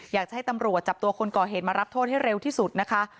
อยากจะให้ตำรวจจับตัวคนก่อเหตุมารับโทษให้เร็วที่สุดนะคะ